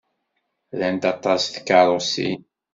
Rant aṭas tikeṛṛusin.